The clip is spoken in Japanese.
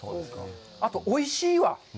あと、おいしいわ。